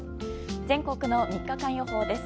全国の３日間予報です。